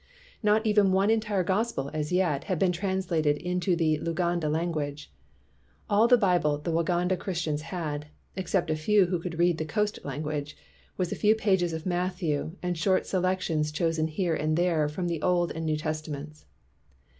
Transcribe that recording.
Not even one entire Gospel, as yet, had been translated into the Luganda lan guage. All the Bible the Waganda Chris tians had (except a few who could read the coast language) was a few pages of Matthew and short selections chosen here and there from the Old and New Testaments.